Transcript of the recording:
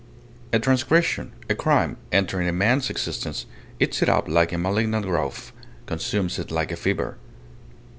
A transgression, a crime, entering a man's existence, eats it up like a malignant growth, consumes it like a fever.